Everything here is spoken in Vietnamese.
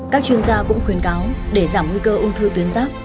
các chuyên gia cũng khuyến cáo để giảm nguy cơ ung thư tuyến giáp